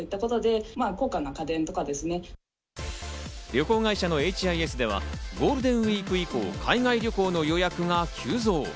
旅行会社のＨＩＳではゴールデンウイーク以降、海外旅行の予約が急増。